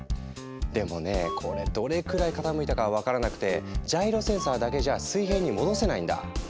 でもねこれどれくらい傾いたかは分からなくてジャイロセンサーだけじゃ水平に戻せないんだ。